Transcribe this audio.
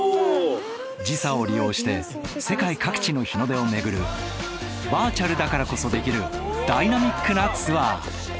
時差を利用して世界各地の日の出を巡るバーチャルだからこそできるダイナミックなツアー。